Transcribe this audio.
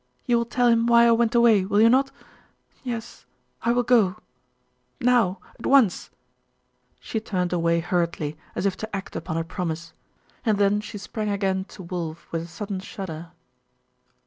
You will tell him why I went away, will you not? Yes, I will go, now, at once ' She turned away hurriedly, as if to act upon her promise, and then she sprang again to Wulf with a sudden shudder.